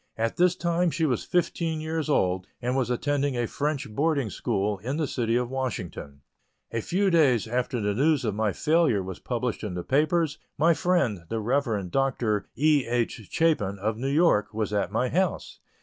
At this time she was fifteen years old, and was attending a French boarding school in the City of Washington. A few days after the news of my failure was published in the papers, my friend, the Rev. Dr. E. H. Chapin, of New York, was at my house.